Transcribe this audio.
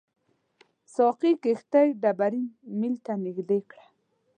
ساقي کښتۍ ډبرین میل ته نږدې کړه.